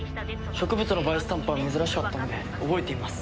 植物のバイスタンプは珍しかったので覚えています。